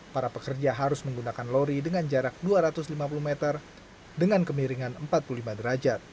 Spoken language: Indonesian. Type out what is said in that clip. para pekerja harus menggunakan lori dengan jarak dua ratus lima puluh meter dengan kemiringan empat puluh lima derajat